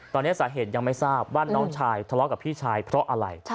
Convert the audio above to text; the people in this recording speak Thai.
ตอนนี้สาเหตุยังไม่ทราบว่าน้องชายทะเลาะกับพี่ชายเพราะอะไร